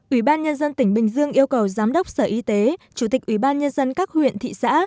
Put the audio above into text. ủy ban nhân dân tỉnh bình dương yêu cầu giám đốc sở y tế chủ tịch ủy ban nhân dân các huyện thị xã